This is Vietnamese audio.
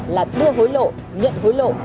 là đưa hối lộ nhận hối lộ